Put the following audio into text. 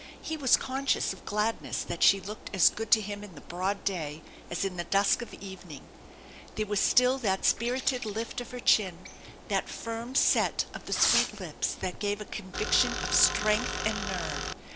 He was conscious of gladness that she looked aa 50 THE ENCHANTED BARN 51 good to him in the broad day as in the dusk of evening. There was still that spirited lift of her chin, that firm set of the Bweet lips, that gave a conviction of strength and nerve.